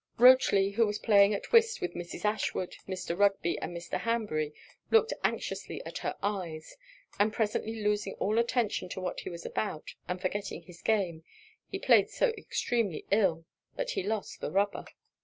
Rochely, who was playing at whist with Mrs. Ashwood, Mr. Rugby, and Mr. Hanbury, looked anxiously at her eyes; and presently losing all attention to what he was about, and forgetting his game, he played so extremely ill, that he lost the rubber.